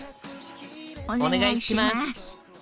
お願いします。